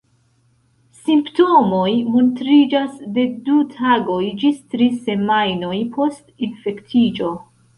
Simptomoj montriĝas de du tagoj ĝis tri semajnoj post infektiĝo.